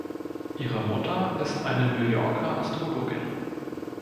Ihre Mutter ist eine New Yorker Astrologin.